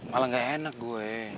malah gak enak gue